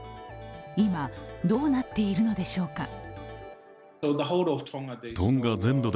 今、どうなっているのでしょうか。